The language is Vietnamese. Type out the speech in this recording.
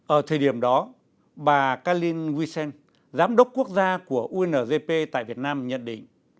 ở thời điểm đó bà cá linh huy sên giám đốc quốc gia của ungp tại việt nam nhận định